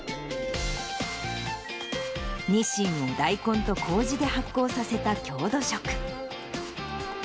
にしん、大根とこうじで発酵させた郷土食。